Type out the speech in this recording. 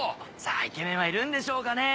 イケメンはいるんでしょうかね？